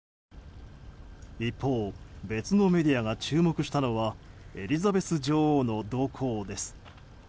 一方、別のメディアが注目したのはエリザベス女王の動向です。